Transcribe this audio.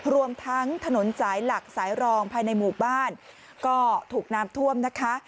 รวมทั้งถนนสายหลักสายรองภายในหมู่บ้านก็ถูกน้ำท่วมนะคะ